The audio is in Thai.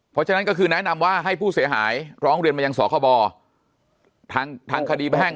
เพราะฉะนั้นก็คือแนะนำว่าให้ผู้เสียหายร้องเรียนมายังสคบทางคดีแพ่ง